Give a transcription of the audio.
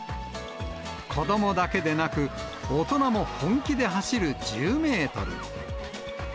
子どもだけでなく、大人も本気で走る１０メートル。